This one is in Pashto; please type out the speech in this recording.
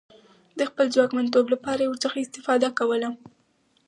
د خپل ځواکمنتوب لپاره یې ورڅخه استفاده کوله.